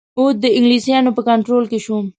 اَوَد د انګلیسیانو په کنټرول کې شو.